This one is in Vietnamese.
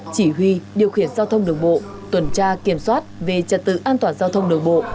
chỉ huy điều khiển giao thông đường bộ tuần tra kiểm soát về trật tự an toàn giao thông đường bộ